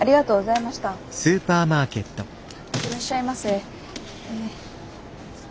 いらっしゃいませ。